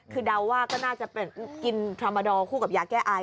คือดาวว่าก็น่าจะกินถรามอดอลคู่กับยาแก้ไอ